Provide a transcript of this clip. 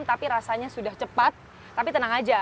tapi rasanya sudah cepat tapi tenang aja